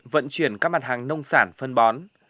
vận chuyển các mặt hàng nông sản phân bón